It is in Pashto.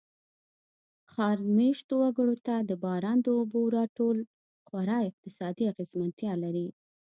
ښار مېشتو وګړو ته د باران د اوبو را ټول خورا اقتصادي اغېزمنتیا لري.